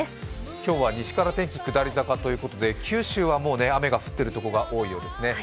今日は西から天気下り坂ということで、九州はもう雨が降ってる所が多いようですね。